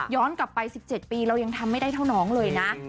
กลับไป๑๗ปีเรายังทำไม่ได้เท่าน้องเลยนะ